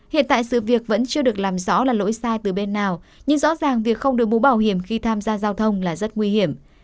hiện tại sự việc vẫn chưa được làm rõ là lỗi sai từ bên nào nhưng rõ ràng việc không đổi mũ bảo hiểm khi tham gia giao thông là rất nguy hiểm